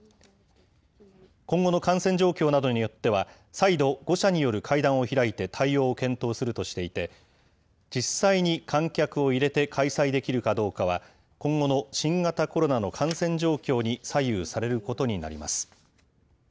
今後の感染状況などによっては、再度５者による会談を開いて対応を検討するとしていて、実際に観客を入れて開催できるかどうかは、今後の新型コロナの感染状況に左右されることになります。